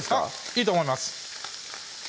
いいと思います